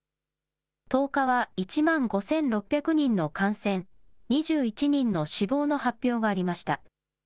１０日は１万５６００人の感染、２１人の死亡の発表がありました。